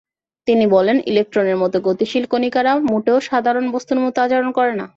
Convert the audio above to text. তিনি বলেন, ইলেকট্রনের মতো গতিশীল কণিকারা মোটেও সাধারণ বস্তুর মতো আচরণ করে না।